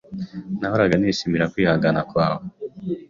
Nahoraga nishimira kwihangana kwawe.